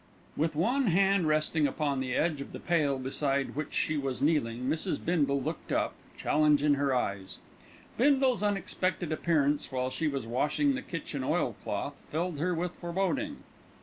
With one hand resting upon the edge of the pail beside which she was kneeling, Mrs. Bindle looked up, challenge in her eyes. Bindle's unexpected appearance while she was washing the kitchen oilcloth filled her with foreboding.